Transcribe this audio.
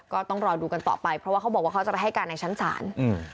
ก็ต้องรอดูกันต่อไปเพราะว่าเขาบอกว่าเขาจะไปให้การในชั้นศาล